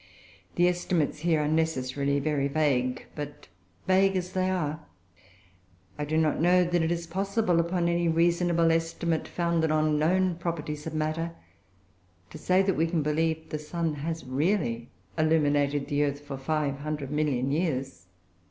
The estimates here are necessarily very vague; but yet, vague as they are, I do not know that it is possible, upon any reasonable estimate founded on known properties of matter, to say that we can believe the sun has really illuminated the earth for five hundred million years."